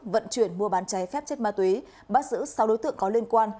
vận chuyển mua bán trái phép chất má túy bắt giữ sáu đối tượng có liên quan